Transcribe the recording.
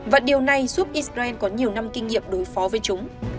và điều này giúp israel có nhiều năm kinh nghiệm đối phó với chúng